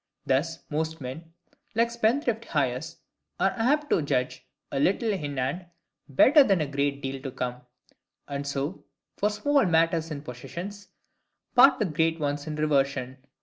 Thus most men, like spendthrift heirs, are apt to judge a little in hand better than a great deal to come; and so, for small matters in possession, part with greater ones in reversion.